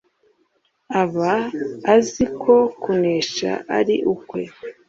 aba azi ko kunesha ari ukwe